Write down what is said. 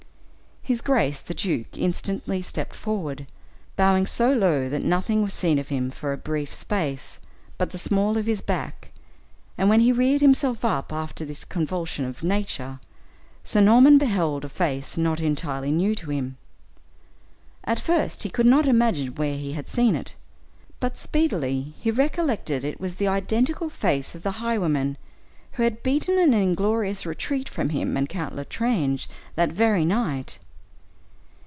His grace, the duke, instantly stepped forward, bowing so low that nothing was seen of him for a brief space, but the small of his back, and when he reared himself up, after this convulsion of nature, Sir Norman beheld a face not entirely new to him. At first, he could not imagine where he had seen it, but speedily she recollected it was the identical face of the highwayman who had beaten an inglorious retreat from him and Count L'Estrange, that very night.